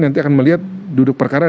nanti akan melihat duduk perkara